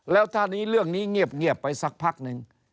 แล้วถ้านี้เรื่องนี้เงียบไปสักพักนึง